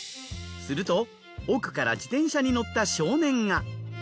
すると奥から自転車に乗った少年が。